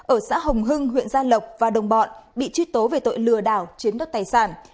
ở xã hồng hưng huyện gia lộc và đồng bọn bị truy tố về tội lừa đảo chiếm đất tài sản